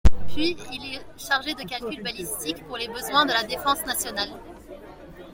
Puis il est chargé de calculs balistiques pour les besoins de la défense nationale.